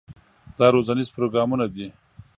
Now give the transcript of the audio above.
دا روزنیز پروګرامونه دي.